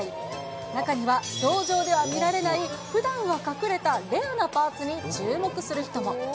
中には、氷上では見られない、ふだんは隠れたレアなパーツに注目する人も。